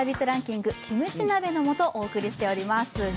ランキング、キムチ鍋の素をお送りしています。